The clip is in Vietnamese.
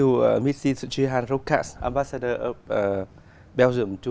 lịch sử bạc bạc